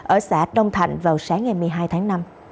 ở xã đông thạnh vào sáng ngày một mươi hai tháng năm